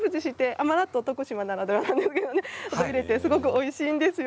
甘納豆、徳島ならではなんですけどね、ちょっと入れてすごくおいしいんですよ。